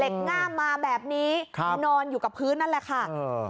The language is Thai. ง่ามมาแบบนี้ครับนอนอยู่กับพื้นนั่นแหละค่ะเออ